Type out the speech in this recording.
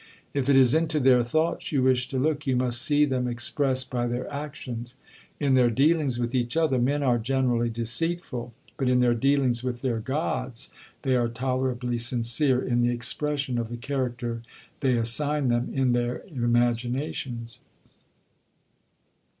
If it is into their thoughts you wish to look, you must see them expressed by their actions. In their dealings with each other, men are generally deceitful, but in their dealings with their gods, they are tolerably sincere in the expression of the character they assign them in their imaginations.